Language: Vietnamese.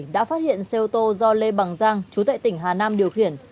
đã phát hiện xe ô tô do lê bằng giang chú tại tỉnh hà nam điều khiển